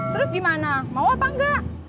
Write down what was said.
terus gimana mau apa enggak